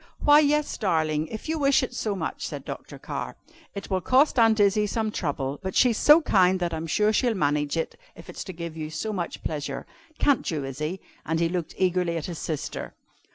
"Why, yes, darling, if you wish it so much," said Dr. Carr. "It will cost Aunt Izzie some trouble, but she's so kind that I'm sure she'll manage it if it is to give you so much pleasure. Can't you, Izzie?" And he looked eagerly at his sister.